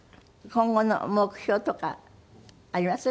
今後の目標とかあります？